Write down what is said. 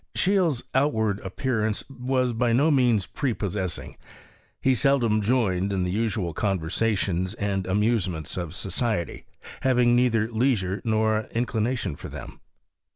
Scheele's outward appearance was by no means prepossessing. He seldom joined in the usual con versations and amusements of society, having neither leisure nor inclination for them.